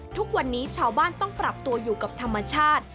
ทุกวันนี้ชาวบ้านต้องปรับตัวอยู่กับธรรมชาติ